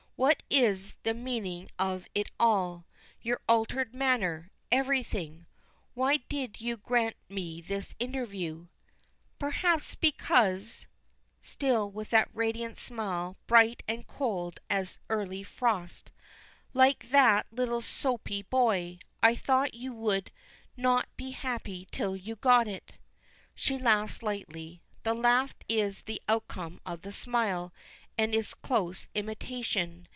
What is the meaning of it all your altered manner everything? Why did you grant me this interview?" "Perhaps because" still with that radiant smile, bright and cold as early frost "like that little soapy boy, I thought you would 'not be happy till you got it.'" She laughs lightly. The laugh is the outcome of the smile, and its close imitation.